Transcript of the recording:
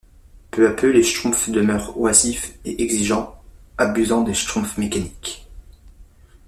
Peu à peu, les schtroumpfs demeurent oisifs et exigeants, abusant des schtroumpfs mécaniques.